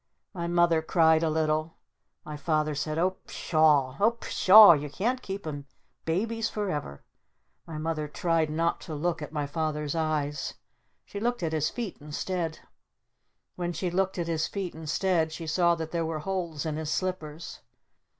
My Mother cried a little. My Father said "Oh, Pshaw! Oh, Pshaw! You can't keep 'em babies forever!" My Mother tried not to look at my Father's eyes. She looked at his feet instead. When she looked at his feet instead she saw that there were holes in his slippers.